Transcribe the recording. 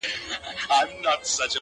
زه دي هم یمه ملګری ما هم بوزه -